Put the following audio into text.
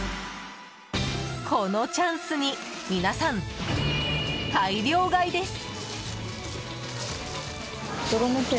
このチャンスに皆さん、大量買いです。